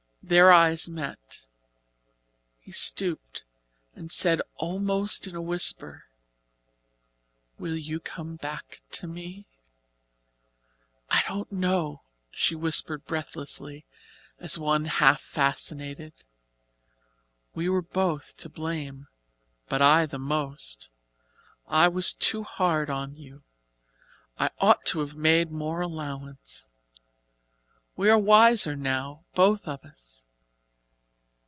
Their eyes met. He stooped and said almost in a whisper: "Will you come back to me?" "I don't know," she whispered breathlessly, as one half fascinated. "We were both to blame but I the most. I was too hard on you I ought to have made more allowance. We are wiser now both of us.